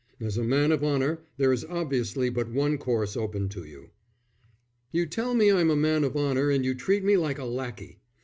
As a man of honour there is obviously but one course open to you." "You tell me I'm a man of honour and you treat me like a lackey.